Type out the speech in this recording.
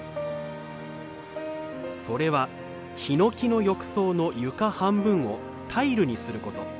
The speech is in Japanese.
それはヒノキの浴槽の床半分をタイルにすること。